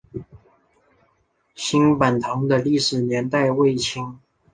新坂堂的历史年代为清。